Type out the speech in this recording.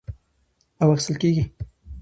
او اخىستل کېږي،